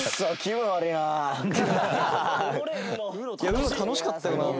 「ＵＮＯ楽しかったよな」